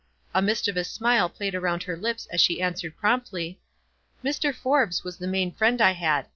A mischievous smile played around her lips as she answered, promptly,— "Mr. Forbes was the main friend I had.